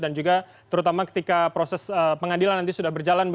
dan juga terutama ketika proses pengadilan nanti sudah berjalan